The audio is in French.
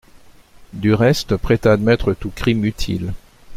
Du reste, prête à admettre tout crime utile.